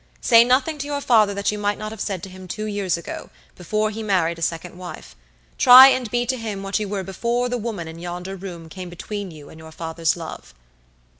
Say nothing to your father that you might not have said to him two years ago, before he married a second wife. Try and be to him what you were before the woman in yonder room came between you and your father's love."